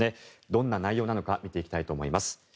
どんな内容なのか見ていきたいと思います。